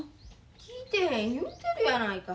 聞いてへん言うてるやないか。